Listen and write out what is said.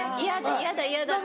嫌だ嫌だって。